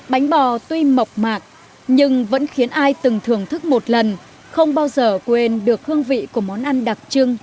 bánh bò tuy mộc mạc nhưng vẫn khiến ai từng thưởng thức một lần không bao giờ quên được hương vị của món ăn đặc trưng